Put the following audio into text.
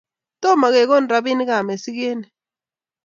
Tomo kekonu robinikab misiget ni